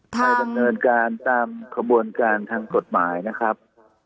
ไปดำเนินการตามขบวนการทางกฎหมายนะครับ